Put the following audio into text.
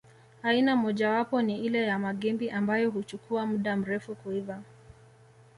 Aina mojawapo ni ile ya magimbi ambayo huchukua muda mrefu kuiva